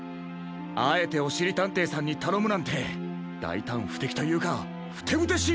あえておしりたんていさんにたのむなんてだいたんふてきというかふてぶてしいというか。